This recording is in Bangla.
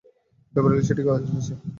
বেভারলি, সে ঠিকই বলেছেন।